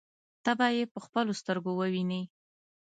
ته به يې په خپلو سترګو ووینې.